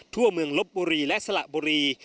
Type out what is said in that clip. ทั่วเมืองลบบุรีและสละบุรี